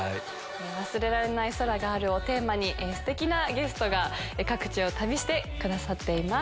忘れられない空があるをテーマに、すてきなゲストが各地を旅してくださっています。